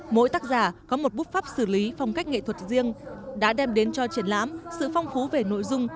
mỗi tác giả có một bút pháp xử lý phong cách nghệ thuật riêng đã đem đến cho triển lãm sự phong phú về nội dung